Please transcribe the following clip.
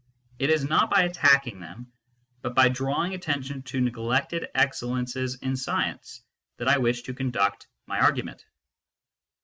It is not by attacking them, but by drawing attention to neglected excellences in science, that I wish to conduct my argument.